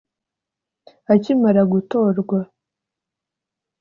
akimara gutorwa